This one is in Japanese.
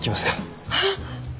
あっ。